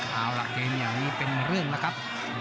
เอาล่ะเกมอย่างนี้เป็นเรื่องแล้วครับ